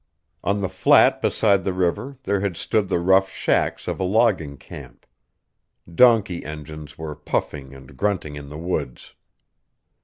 On the flat beside the river there had stood the rough shacks of a logging camp. Donkey engines were puffing and grunting in the woods.